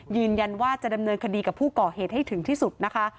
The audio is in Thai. ยืนยันว่าจะดำเนินคดีกับผู้ก่อเหตุให้ถึงที่สุดนะคะ